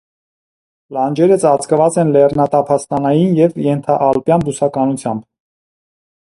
Լանջերը ծածկված են լեռնատափաստանային և ենթաալպյան բուսականությամբ։